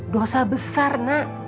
dosa besar nak